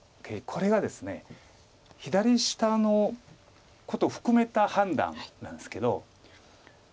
これがですね左下のことを含めた判断なんですけど。